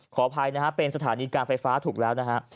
ขออภัยนะฮะเป็นสถานีการไฟฟ้าถูกแล้วนะฮะ